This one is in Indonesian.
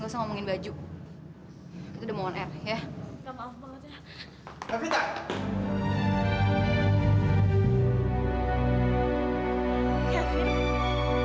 semalam kamu kemana